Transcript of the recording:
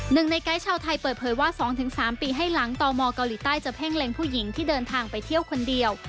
ในไกด์ชาวไทยเปิดเผยว่า๒๓ปีให้หลังตมเกาหลีใต้จะเพ่งเล็งผู้หญิงที่เดินทางไปเที่ยวคนเดียว